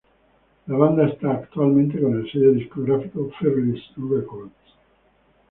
La banda está actualmente con el sello discográfico Fearless Records.